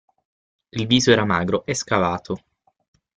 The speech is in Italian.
Il viso era magro e scavato.